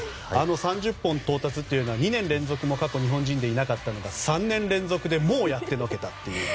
３０本到達というのは２年連続も過去日本人でいなかったのが３年連続でもうやってのけたという。